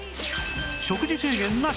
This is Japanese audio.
食事制限なし！